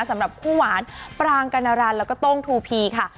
สำหรับคู่หวานปรางกัณรันแล้วก็โต้งทูพีค่ะ